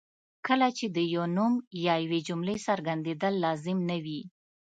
کله چې د یو نوم یا یوې جملې څرګندېدل لازم نه وي.